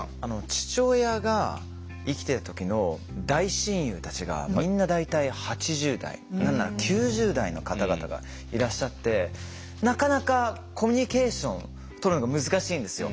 父親が生きてた時の大親友たちがみんな大体８０代何なら９０代の方々がいらっしゃってなかなかコミュニケーションとるのが難しいんですよ。